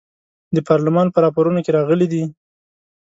د پارلمان په راپورونو کې راغلي دي.